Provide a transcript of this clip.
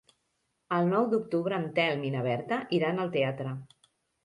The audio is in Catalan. El nou d'octubre en Telm i na Berta iran al teatre.